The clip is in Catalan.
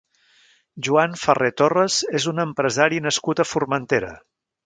Joan Ferrer Torres és un empresari nascut a Formentera.